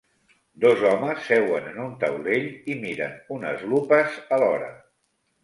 Dos homes seuen en un taulell i miren unes lupes alhora.